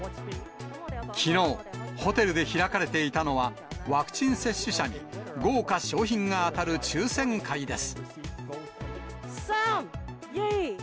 きのう、ホテルで開かれていたのは、ワクチン接種者に豪華賞品が当たる抽せん会です。